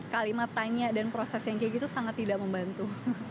kalimat tanya dan proses yang kayak gitu sangat tidak membantu